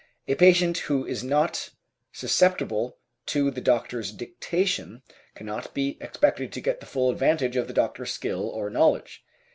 A patient who is not susceptible to the doctor's dictation cannot be expected to get the full advantage of the doctor's skill or knowledge.